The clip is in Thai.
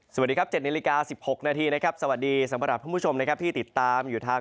สวัสดีครับ๗นาฬิกา๑๖นาทีนะครับสวัสดีสำหรับท่านผู้ชมนะครับที่ติดตามอยู่ทาง